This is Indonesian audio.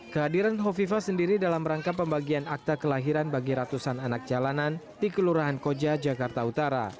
kehadiran hovifah sendiri dalam rangka pembagian akta kelahiran bagi ratusan anak jalanan di kelurahan koja jakarta utara